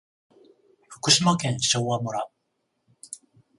福島県昭和村